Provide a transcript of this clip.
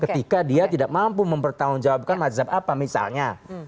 ketika dia tidak mampu mempertanggungjawabkan mazhab apa misalnya